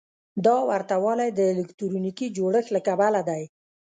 دا ورته والی د الکتروني جوړښت له کبله دی.